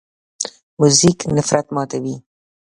موزیک نفرت ماتوي.